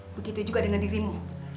begitu juga dengan dirimu